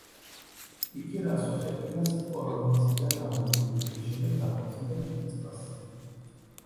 იგი რასუხერინას კორონაციიდან რამდენიმე კვირის შემდეგ დაქორწინდა კიდეც მასზე.